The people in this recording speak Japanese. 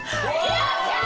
やったー！